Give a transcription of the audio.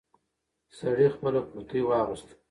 سړی خپل کورتۍ واغوست.